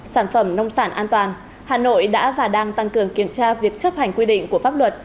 sản phẩm nông sản an toàn hà nội đã và đang tăng cường kiểm tra việc chấp hành quy định của pháp luật